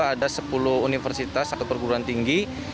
ada sepuluh universitas satu perguruan tinggi